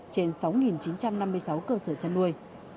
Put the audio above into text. trên sáu chín trăm năm mươi sáu cơ sở chăn nuôi